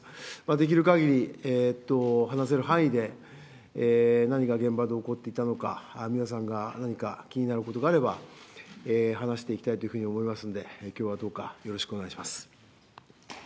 できるかぎり話せる範囲で、何が現場で起こっていたのか、皆さんが何か気になることがあれば、話していきたいというふうに思いますんで、きょうはどうかよろしくお願いします。